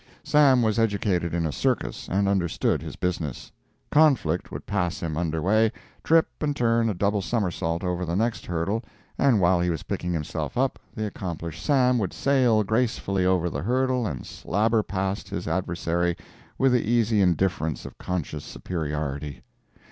—Sam was educated in a circus, and understood his business; Conflict would pass him under way, trip and turn a double summerset over the next hurdle, and while he was picking himself up, the accomplished Sam would sail gracefully over the hurdle and slabber past his adversary with the easy indifference of conscious superiority.